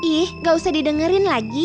ih gak usah didengerin lagi